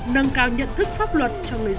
nâng cao nhận thức pháp luật